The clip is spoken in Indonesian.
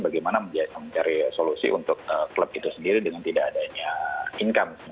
bagaimana mencari solusi untuk klub itu sendiri dengan tidak adanya income